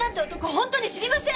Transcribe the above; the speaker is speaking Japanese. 本当に知りません！